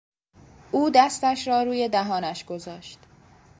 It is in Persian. او دستش را روی دهانش گذاشت.